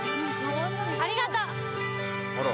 ありがと！